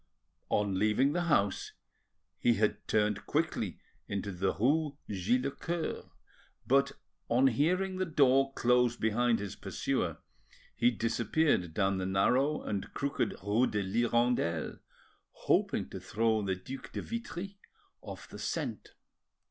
On leaving the house he had turned quickly into the rue Git le Coeur; but on hearing the door close behind his pursuer he disappeared down the narrow and crooked rue de l'Hirondelle, hoping to throw the Duc de Vitry off the scent.